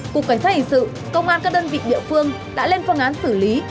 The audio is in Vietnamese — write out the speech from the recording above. cục cảnh sát hệ sự công an các đơn vị địa phương đã lên phong án xử lý